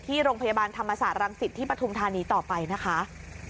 โรงพยาบาลธรรมศาสตรังสิตที่ปฐุมธานีต่อไปนะคะ